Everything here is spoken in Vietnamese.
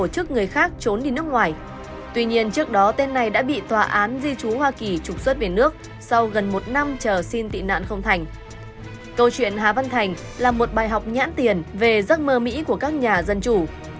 câu chuyện hà văn thành là một bài học nhãn tiền về giấc mơ mỹ của các nhà dân chủ